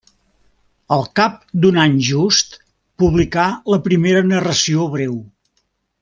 Al cap d'un any just publicà la primera narració breu.